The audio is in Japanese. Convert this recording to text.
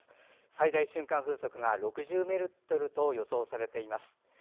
最大瞬間風速が６０メートルと予想されています。